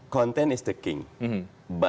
konten adalah raja